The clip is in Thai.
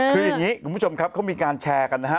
คืออย่างนี้คุณผู้ชมครับเขามีการแชร์กันนะฮะ